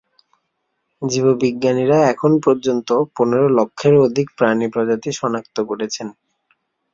জীববিজ্ঞানীরা এখন পর্যন্ত পনেরো লক্ষেরও অধিক প্রাণী-প্রজাতি শনাক্ত করেছেন।